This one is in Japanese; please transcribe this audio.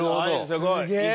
すごい。